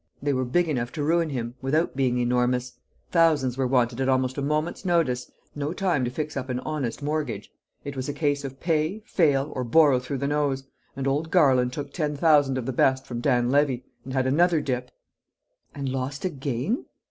They were big enough to ruin him, without being enormous. Thousands were wanted at almost a moment's notice; no time to fix up an honest mortgage; it was a case of pay, fail, or borrow through the nose! And old Garland took ten thousand of the best from Dan Levy and had another dip!" "And lost again?"